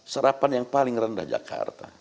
serapan yang paling rendah jakarta